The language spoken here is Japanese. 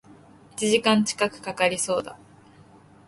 一時間近く掛かりそうだ